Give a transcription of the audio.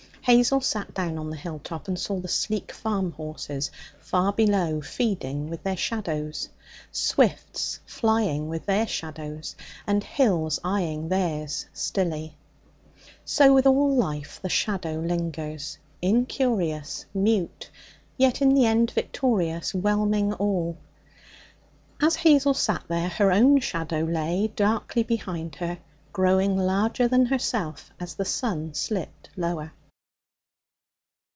Hazel sat down on the hilltop and saw the sleek farm horses far below feeding with their shadows, swifts flying with their shadows, and hills eyeing theirs stilly. So with all life the shadow lingers incurious, mute, yet in the end victorious, whelming all. As Hazel sat there her own shadow lay darkly behind her, growing larger than herself as the sun slipped lower.